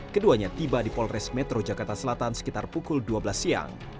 keduanya tiba di polres metro jakarta selatan sekitar pukul dua belas siang